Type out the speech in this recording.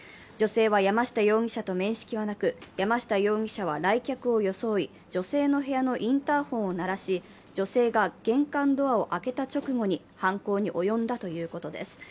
女性は山下容疑者と面識はなく、山下容疑者は来客を装い、女性の部屋のインターフォンを鳴らし、女性が玄関ドアを開けた直後に犯行に及んだということです。